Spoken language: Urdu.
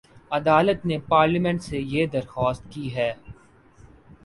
عدالت نے پارلیمنٹ سے یہ درخواست کی ہے